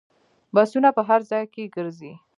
بسونه په هر ځای کې ګرځي.